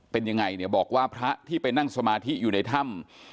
เป็นยังไงเนี่ยบอกว่าพระที่ไปนั่งสมาธิอยู่ในถ้ำ